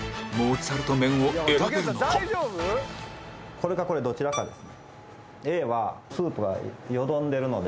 これかこれどちらかです。